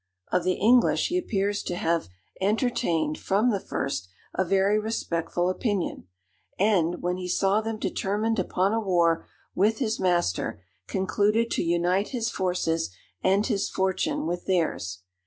Of the English he appears to have entertained, from the first, a very respectful opinion; and, when he saw them determined upon a war with his master, concluded to unite his forces and his fortune with theirs.